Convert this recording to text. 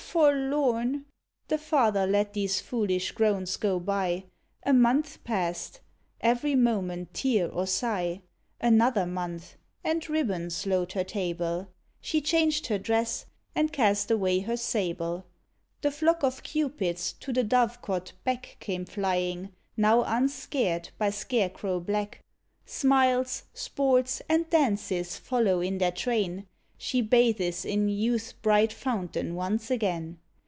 forlorn." The father let these foolish groans go by; A month pass'd every moment tear or sigh. Another month, and ribbons load her table; She changed her dress, and cast away her sable. The flock of Cupids to the dovecot back Came flying, now unscared by scarecrow black. Smiles, sports, and dances follow in their train, She bathes in youth's bright fountain once again.